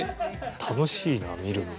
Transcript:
楽しいな見るの。